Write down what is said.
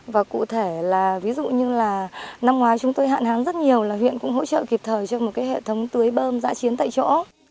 và cụ thể là ví dụ như là năm ngoái chúng tôi hạn hán rất nhiều là huyện cũng hỗ trợ kịp thời cho một cái hệ thống tưới bơm giã chiến tại chỗ